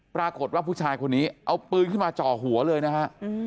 ปรากฏว่าผู้ชายคนนี้เอาปืนขึ้นมาจ่อหัวเลยนะฮะ